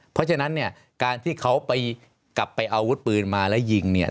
เพราะฉะนั้นเนี่ยการที่เขาไปกลับไปเอาอาวุธปืนมาแล้วยิงเนี่ย